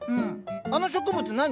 あの植物何？